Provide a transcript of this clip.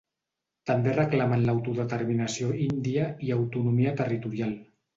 També reclamen l'autodeterminació índia i autonomia territorial.